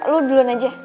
lo duluan aja